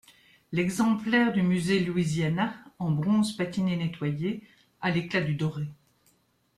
L'exemplaire du Musée Louisiana, en bronze patiné nettoyé, a l'éclat du doré.